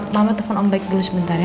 mama telepon om baik dulu sebentar ya